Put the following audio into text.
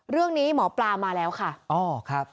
เรื่องนี้หมอปลามาแล้วค่ะ